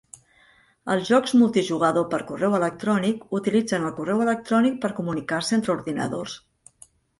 Els jocs multijugador per correu electrònic utilitzen el correu electrònic per comunicar-se entre ordinadors.